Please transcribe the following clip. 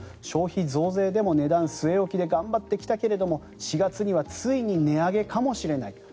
消費増税でも値段据え置きで頑張ってきたけど４月にはついに値上げかもしれない。